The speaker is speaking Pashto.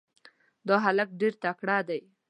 دا هلک ډېر تکړه ده.